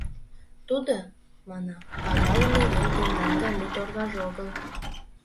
Тудо, — манам, — пагалыме еҥ, тендан гай мут оргаж огыл!